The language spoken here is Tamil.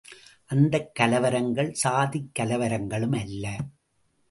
அந்தக் கலவரங்கள் சாதிக்கலவரங்களும் அல்ல!